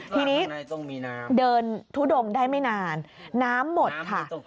ทีนี้เดินทุดงได้ไม่นานน้ำหมดค่ะ